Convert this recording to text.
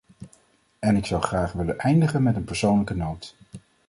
En ik zou graag willen eindigen met een persoonlijke noot.